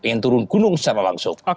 ingin turun gunung secara langsung